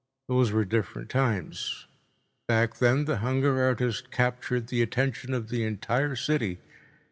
Those were different times. Back then the hunger artist captured the attention of the entire city.